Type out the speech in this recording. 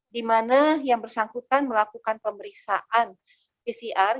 di mana yang bersangkutan melakukan pemeriksaan pcr